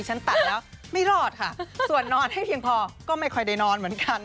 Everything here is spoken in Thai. ฉันตัดแล้วไม่รอดค่ะส่วนนอนให้เพียงพอก็ไม่ค่อยได้นอนเหมือนกัน